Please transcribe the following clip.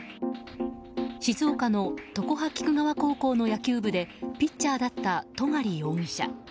静岡の常葉菊川高校の野球部でピッチャーだった戸狩容疑者。